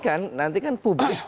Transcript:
kan nanti kan publik